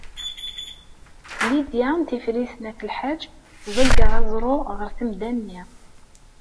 Lidya n Tifrit n At Lḥaǧ tḍegger aẓru ɣer temda-nni.